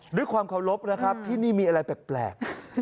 ด้วยความเคารพนะครับที่นี่มีอะไรแปลก